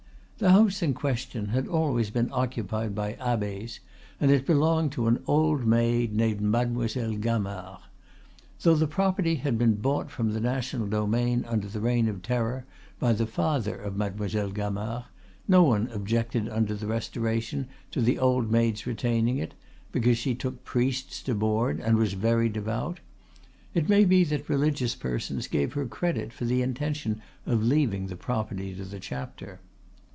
The house in question had always been occupied by abbes, and it belonged to an old maid named Mademoiselle Gamard. Though the property had been bought from the national domain under the Reign of Terror by the father of Mademoiselle Gamard, no one objected under the Restoration to the old maid's retaining it, because she took priests to board and was very devout; it may be that religious persons gave her credit for the intention of leaving the property to the Chapter.